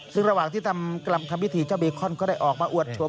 ซึ่งระหว่างที่ทำกรรมคำพิธีเจ้าเบโครเขาได้ออกมาอวดโฉม